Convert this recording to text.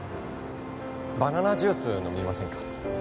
バナナジュース飲みませんか？